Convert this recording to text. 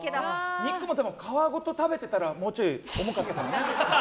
肉も皮ごと食べてたらもうちょい重かったかもね。